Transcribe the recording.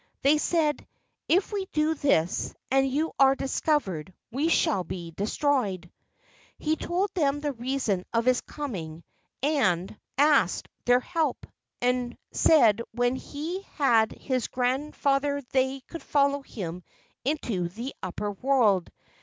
They said, "If we do this and you are discovered we shall be destroyed." He told them the reason of his coming and 2 l6 LEGENDS OF GHOSTS asked their help, and said when he had his grand¬ father they could follow him into the Upper world.